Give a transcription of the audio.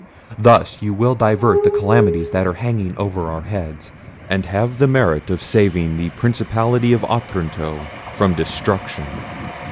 Thus you will divert the calamities that are hanging over our heads, and have the merit of saving the principality of Otranto from destruction.